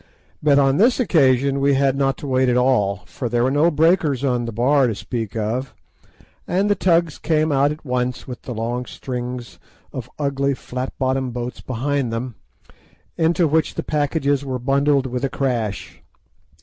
But on this occasion we had not to wait at all, for there were no breakers on the Bar to speak of, and the tugs came out at once with the long strings of ugly flat bottomed boats behind them, into which the packages were bundled with a crash.